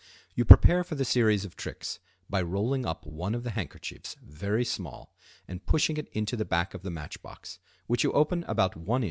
You prepare for the series of tricks by rolling up one of the handkerchiefs very small and pushing it into the back of the match box, which you open about 1 in.